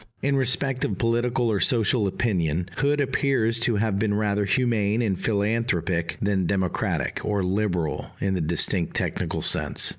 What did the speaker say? In respect of political or social opinion, Hood appears to have been rather humane and philanthropic than democratic, or "liberal" in the distinct technical sense.